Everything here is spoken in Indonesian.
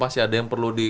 masih ada yang perlu di